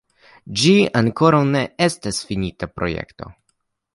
Ĝi ankoraŭ ne estas finita projekto.